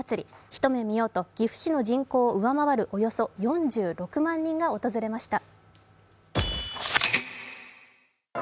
一目見ようと岐阜市の人口を上回るおよそ４６万人が訪れました。